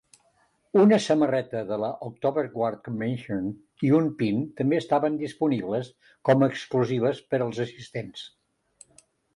Una samarreta de la Oktober Guard Convention i un pin també estaven disponibles com a exclusives per als assistents.